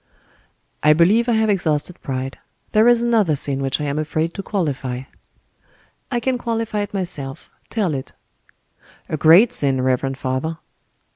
"I believe I have exhausted pride. There is another sin which I am afraid to qualify." "I can qualify it myself. Tell it." "A great sin, reverend father!"